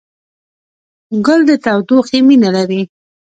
ګل د تودوخې مینه لري.